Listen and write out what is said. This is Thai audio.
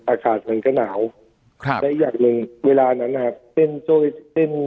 รอบประจาทมันก็หนาวและอีกอย่างหนึ่งเวลานั้นฮะเต้นเสียดเก็บ